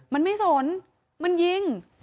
มันไม่สนมันยิง